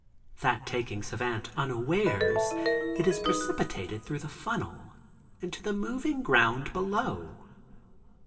That taking Savant unawares, it is precipitated through the funnel and to the moving ground below.